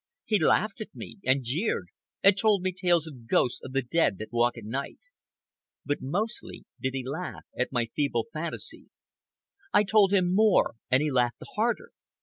He laughed at me, and jeered, and told me tales of ghosts and of the dead that walk at night. But mostly did he laugh at my feeble fancy. I told him more, and he laughed the harder.